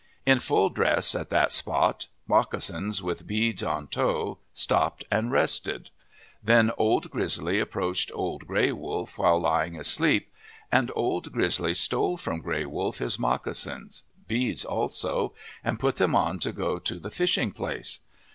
In full dress, at that spot, moccasins with beads on toe, stopped and rested. Then Old Grizzly approached Old Gray Wolf while lying asleep. And Old Grizzly stole from Gray Wolf his moccasins, beads also, and put them on to go to the fishing place.